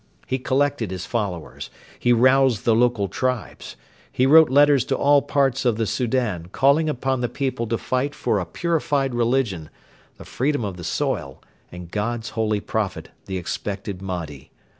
He collected his followers. He roused the local tribes. He wrote letters to all parts of the Soudan, calling upon the people to fight for a purified religion, the freedom of the soil, and God's holy prophet 'the expected Mahdi.'